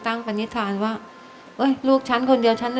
ทั้งในเรื่องของการทำงานเคยทำนานแล้วเกิดปัญหาน้อย